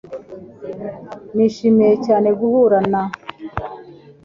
Nishimiye cyane guhura na .